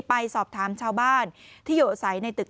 ไปสอบถามชาวบ้านที่อยู่อาศัยในตึก